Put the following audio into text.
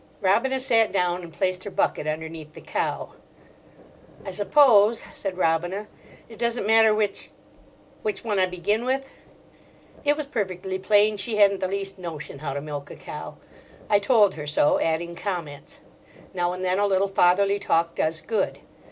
Robina sat down and placed her bucket underneath the cow. "I suppose," said Robina, "it doesn't matter which—which one I begin with?" It was perfectly plain she hadn't the least notion how to milk a cow. I told her so, adding comments. Now and then a little fatherly talk does good.